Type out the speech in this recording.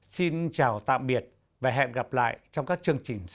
xin chào tạm biệt và hẹn gặp lại trong các chương trình sau